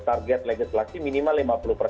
target legislasi memang tidak terlalu besar